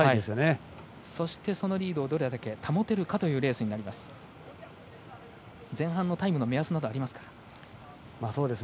そのリードをどれだけ保てるかというレースになります。